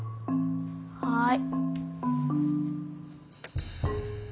はい。